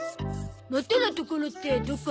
元の所ってどこ？